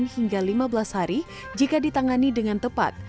hingga lima belas hari jika ditangani dengan tepat